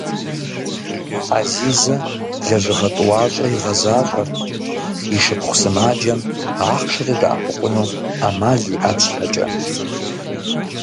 Ӏэзизэ лэжьыгъэ тӀуащӀэ игъэзащӀэрт и шыпхъу сымаджэм ахъшэкӀэ дэӀэпыкъуну Ӏэмал иӀэн щхьэкӀэ.